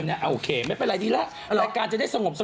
โอเคไม่เป็นไรดีแล้วรายการจะได้สงบ